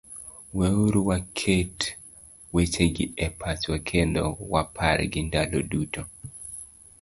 Weuru waket wechegi e pachwa kendo wapargi ndalo duto: